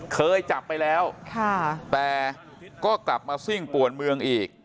เคยจับไปแล้วแต่ก็กลับมาซิ่งป่วนเมืองอีก